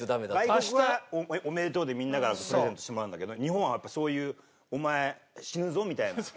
外国は「おめでとう」でみんなからプレゼントしてもらうんだけど日本はそういう「お前死ぬぞ」みたいな。